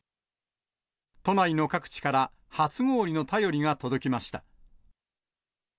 都内の各地から、初氷の便りが届きました。